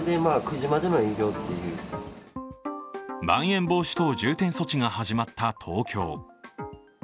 まん延防止等重点措置が始まった東京。